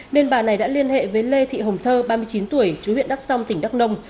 nên bà này đã liên hệ với lê thị hồng thơ ba mươi chín tuổi chú huyện đắk song tỉnh đắk nông